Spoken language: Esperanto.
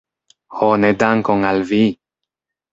Ho ne dankon al vi!